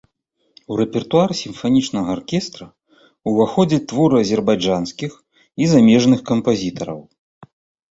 У рэпертуар сімфанічнага аркестра ўваходзяць творы азербайджанскіх і замежных кампазітараў.